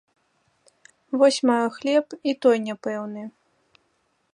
Вось маю хлеб, і той няпэўны.